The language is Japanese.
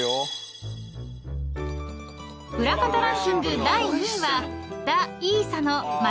［『裏方ランキング』第２位は］